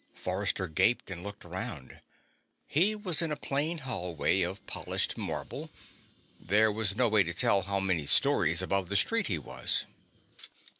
Forrester gaped and looked around. He was in a plain hallway of polished marble. There was no way to tell how many stories above the street he was.